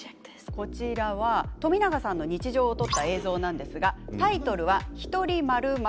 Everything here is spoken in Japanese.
こちらは冨永さんの日常を撮った映像なんですがタイトルは、ひとり○○○。